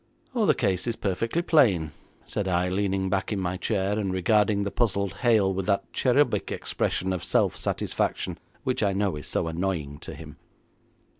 'Oh, the case is perfectly plain,' said I, leaning back in my chair, and regarding the puzzled Hale with that cherubic expression of self satisfaction which I know is so annoying to him.